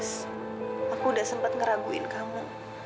saya sempat ngeraguin kamu